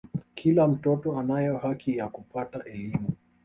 kila mtoto anayo haki ya kupata elimu